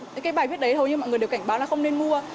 những cái bài viết đấy hầu như mọi người đều cảnh báo là không nên mua